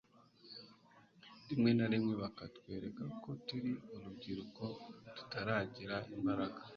rimwe na rimwe bakatwereka ko turi urubyiruko tutaragira imbaraga